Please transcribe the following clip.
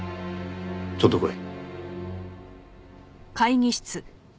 ちょっと来い。